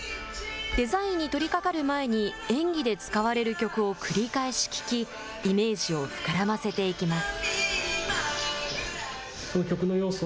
デザインに取りかかる前に演技で使われる曲を繰り返し聴きイメージを膨らませていきます。